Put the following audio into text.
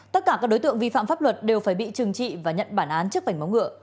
tất cả các đối tượng vi phạm pháp luật đều phải bị trừng trị và nhận bản án trước vảnh móng ngựa